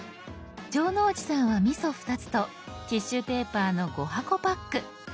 城之内さんはみそ２つとティッシュペーパーの５箱パック。